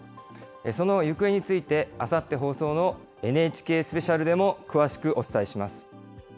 その行方について、あさって放送のＮＨＫスペシャルでも詳しくお伝えします。